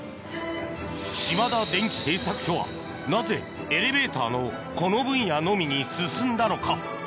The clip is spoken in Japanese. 島田電機製作所はなぜ、エレベーターのこの分野のみに進んだのか。